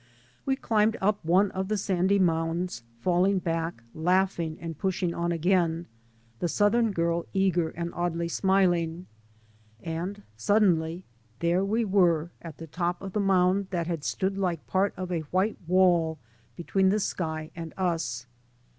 We climbed up one of the sandy mounds, falling back, laughing and pushing on again, the southern girl eager and oddly smiling. And suddenly there we were at the top of the mound that had stood Uke part of a white wall between the sky and us.